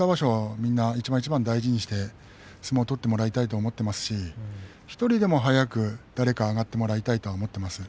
みんな一番一番大事に相撲を取ってもらいたいと思っていますし１人でも早く誰か上がってもらいたいと思っています。